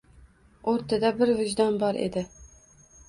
O'rtada bir vijdon bor edi